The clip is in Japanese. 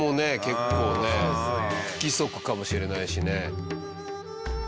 結構ね不規則かもしれないしね。